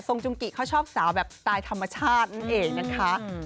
จุงกิเขาชอบสาวแบบสไตล์ธรรมชาตินั่นเองนะคะ